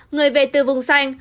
người về từ vùng xanh